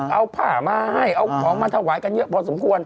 เอาผ้ามาให้เอาของมาถวายกันเยอะพอสมควร